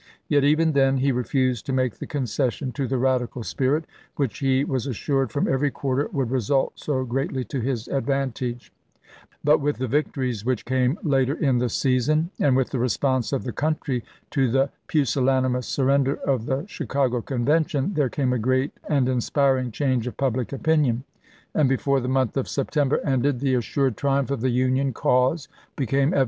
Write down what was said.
Yet even then he refused to make the concession to the radical spirit which he was assured from every quarter would result so greatly to his advantage ; but with the victories which came later in the season, and with the response of the country to the pusillani mous surrender of the Chicago Convention, there came a great and inspiring change of public opin ion, and before the month of September ended the assured triumph of the Union cause became evi 340 ABRAHAM LINCOLN chap. xv.